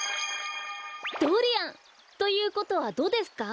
ドリアン！ということはドですか？